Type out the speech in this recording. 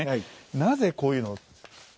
なぜ、こういうのを？